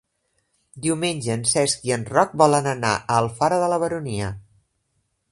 Diumenge en Cesc i en Roc volen anar a Alfara de la Baronia.